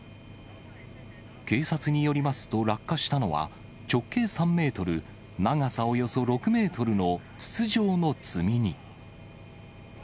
警察によりますと落下したのは直径３メートル、長さおよそ６メートルの筒状の積み荷。